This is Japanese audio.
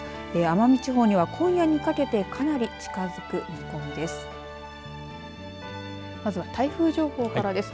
奄美地方には今夜にかけてかなり近づく見込みです。